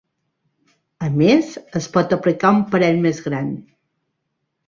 A més, es pot aplicar un parell més gran.